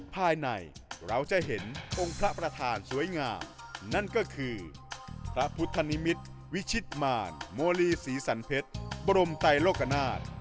ภายในเราจะเห็นองค์พระประธานสวยงามนั่นก็คือพระพุทธนิมิตรวิชิตมารโมลีศรีสันเพชรบรมไตโลกนาฏ